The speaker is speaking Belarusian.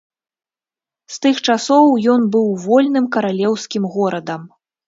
З тых часоў ён быў вольным каралеўскім горадам.